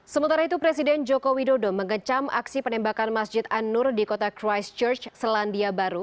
sementara itu presiden joko widodo mengecam aksi penembakan masjid anur di kota christchurch selandia baru